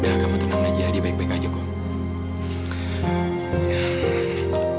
udah kamu tenang aja di baik baik aja kok